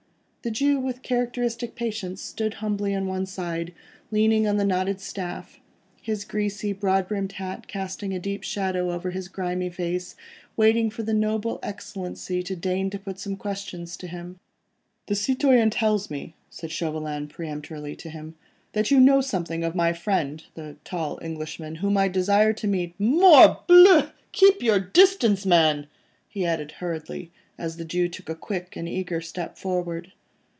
The Jew, with characteristic patience, stood humbly on one side, leaning on a thick knotted staff, his greasy, broad brimmed hat casting a deep shadow over his grimy face, waiting for the noble Excellency to deign to put some questions to him. "The citoyen tells me," said Chauvelin peremptorily to him, "that you know something of my friend, the tall Englishman, whom I desire to meet. ... Morbleu! keep your distance, man," he added hurriedly, as the Jew took a quick and eager step forward.